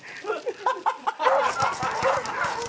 ハハハハ！